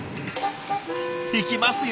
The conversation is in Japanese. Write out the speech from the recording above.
いきますよ